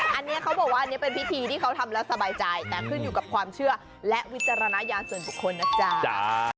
อันนี้เขาบอกว่าอันนี้เป็นพิธีที่เขาทำแล้วสบายใจแต่ขึ้นอยู่กับความเชื่อและวิจารณญาณส่วนบุคคลนะจ๊ะ